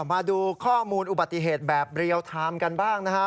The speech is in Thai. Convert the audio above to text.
มาดูข้อมูลอุบัติเหตุแบบเรียลไทม์กันบ้างนะฮะ